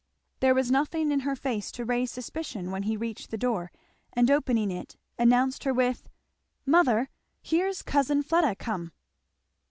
There was nothing in her face to raise suspicion when he reached the door and opening it announced her with, "Mother, here's cousin Fleda come."